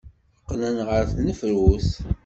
Qqlen ɣer tnefrut.